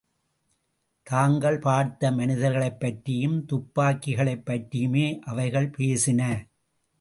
தாங்கள் பார்த்த மனிதர்களைப் பற்றியும், துப்பாக்கிகளைப் பற்றியுமே அவைகள் பேசின.